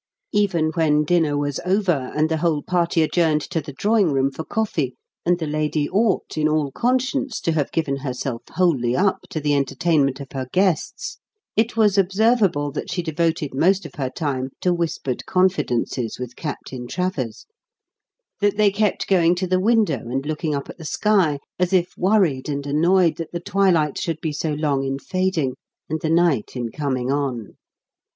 Even when dinner was over, and the whole party adjourned to the drawing room for coffee, and the lady ought, in all conscience, to have given herself wholly up to the entertainment of her guests it was observable that she devoted most of her time to whispered confidences with Captain Travers, that they kept going to the window and looking up at the sky, as if worried and annoyed that the twilight should be so long in fading and the night in coming on.